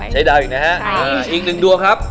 ดาวอีกนะฮะอีกหนึ่งดวงครับ